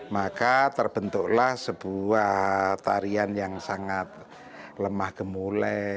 maka terbentuklah sebuah tarian yang sangat lemah gemulai